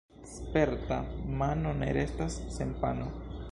Sperta mano ne restas sen pano.